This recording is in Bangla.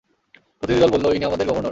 প্রতিনিধিদল বলল, ইনি আমাদের গভর্নর।